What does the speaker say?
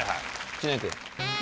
知念君。